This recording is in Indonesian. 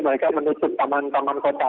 mereka menutup taman taman kota